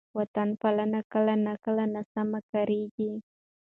وطن پالنه کله ناکله ناسمه کارېږي.